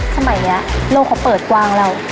สมัยนี้โลกเขาเปิดกว้างแล้ว